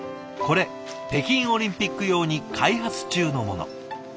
これ北京オリンピック用に開発中のもの。